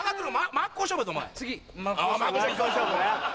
真っ向勝負ね。